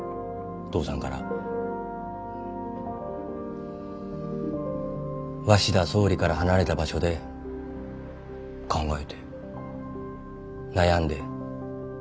父さんから鷲田総理から離れた場所で考えて悩んで。